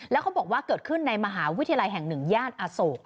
แล้วเขาบอกว่าเกิดขึ้นในมหาวิทยาลัยแห่ง๑ย่านอโศก